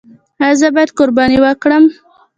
ایا زه باید قرباني وکړم؟